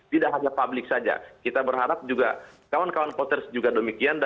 tidak hanya publik saja kita berharap juga kawan kawan poters juga demikian